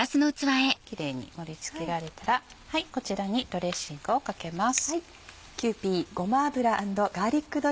キレイに盛り付けられたらこちらにドレッシングをかけます。